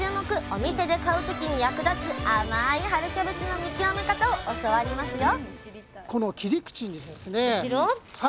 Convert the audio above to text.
お店で買う時に役立つ甘い春キャベツの見極め方を教わりますよ！